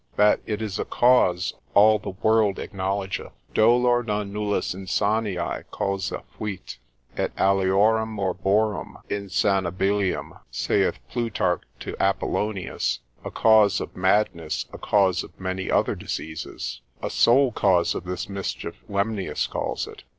That it is a cause all the world acknowledgeth, Dolor nonnullis insaniae causa fuit, et aliorum morborum insanabilium, saith Plutarch to Apollonius; a cause of madness, a cause of many other diseases, a sole cause of this mischief, Lemnius calls it.